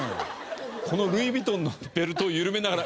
このルイ・ヴィトンのベルトを緩めながら。